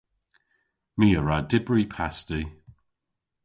My a wra dybri pasti.